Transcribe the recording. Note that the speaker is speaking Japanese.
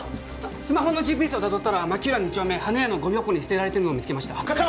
スマホのＧＰＳをたどったら牧浦２丁目花屋のゴミ箱に捨てられているのを見つけました課長！